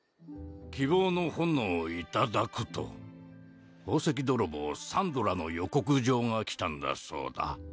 「希望の炎を頂く」と宝石泥棒サンドラの予告状が来たんだそうだ。